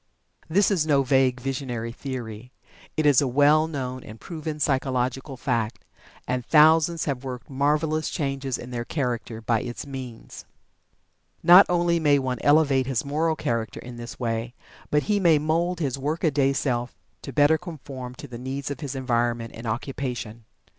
This is no vague, visionary theory. It is a well known and proven psychological fact, and thousands have worked marvelous changes in their character by its means. Not only may one elevate his moral character in this way, but he may mould his "work a day" self to better conform to the needs of his environment and occupation.